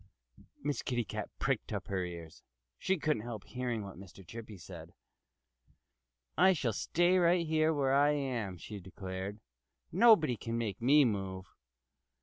Miss Kitty Cat pricked up her ears. She couldn't help hearing what Mr. Chippy said. "I shall stay right where I am," she declared. "Nobody can make me move."